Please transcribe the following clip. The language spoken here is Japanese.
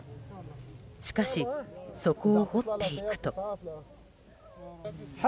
しかし、そこを掘っていくと。